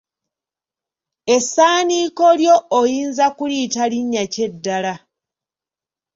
Essaaniiko lyo oyinza kuliyita linnya ki eddala?